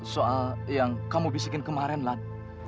soal yang kamu bisikin kemarin lah